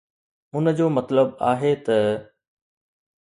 ان جو مطلب آهي ته.